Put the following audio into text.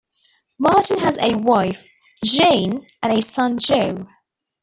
Martin has a wife, Jayne and a son, Joe.